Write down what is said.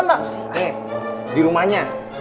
nih di rumahnya